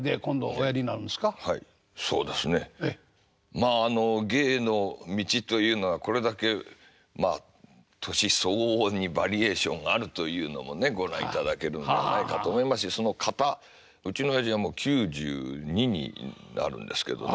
まああの芸の道というのはこれだけ年相応にバリエーションがあるというのもねご覧いただけるんではないかと思いますしその型うちのおやじはもう９２になるんですけどね。